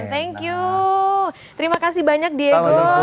thank you terima kasih banyak diego